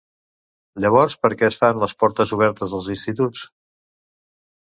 Llavors per què es fan les portes obertes als instituts?